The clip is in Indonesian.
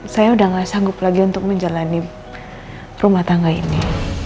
saya udah gak sanggup lagi untuk menjalani rumah tangga ini